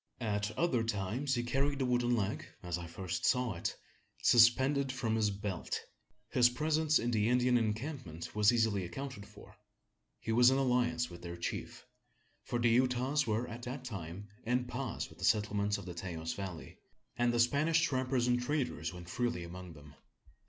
At other times he carried the wooden leg, as I first saw it, suspended from his belt! His presence in the Indian encampment was easily accounted for. He was in alliance with their chief: for the Utahs were at that time en paz with the settlements of the Taos Valley; and the Spanish trappers and traders went freely among them.